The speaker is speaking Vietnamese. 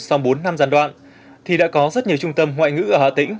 sau bốn năm gian đoạn thì đã có rất nhiều trung tâm ngoại ngữ ở hà tĩnh